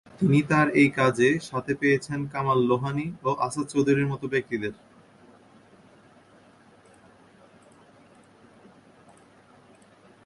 তিনি তার এই কাজে সাথে পেয়েছেন কামাল লোহানী ও আসাদ চৌধুরীর মত ব্যক্তিদের।